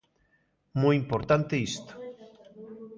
Moi importante isto.